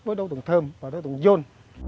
với đối tượng thơm và đối tượng dôn